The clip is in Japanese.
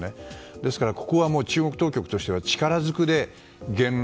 ですからここは中国当局としては力づくで言論